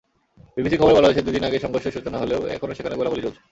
বিবিসির খবরে বলা হয়েছে, দুদিন আগে সংঘর্ষের সূচনা হলেও এখনো সেখানে গোলাগুলি চলছে।